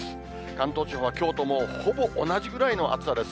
関東地方はきょうともうほぼ同じぐらいの暑さです。